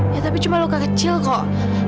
ya tapi cuma luka kecil kok